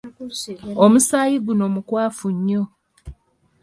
Omusaayi guno mukwafu nnyo.